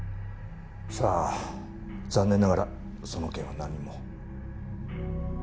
さあ残念ながらその件はなんにも。